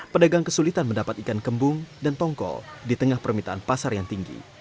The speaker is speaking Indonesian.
pedagang kesulitan mendapat ikan kembung dan tongkol di tengah permintaan pasar yang tinggi